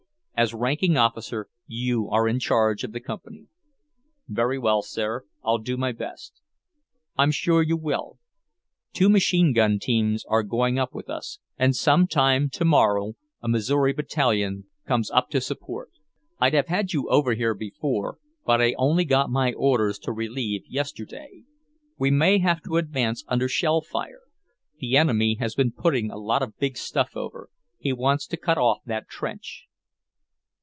As ranking officer, you are in charge of the Company." "Very well, sir. I'll do my best." "I'm sure you will. Two machine gun teams are going up with us, and some time tomorrow a Missouri battalion comes up to support. I'd have had you over here before, but I only got my orders to relieve yesterday. We may have to advance under shell fire. The enemy has been putting a lot of big stuff over; he wants to cut off that trench."